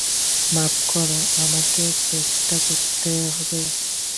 মাফ করো, আমাকে স্কেচটা শেষ করতে হবে।